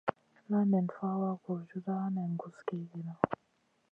La nen fawa gurjuda nen guss kegena.